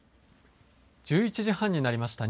１１時半になりました。